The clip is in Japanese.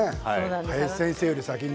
林先生より先に。